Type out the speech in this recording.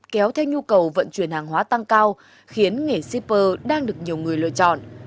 kéo theo nhu cầu vận chuyển hàng hóa tăng cao khiến nghề shipper đang được nhiều người lựa chọn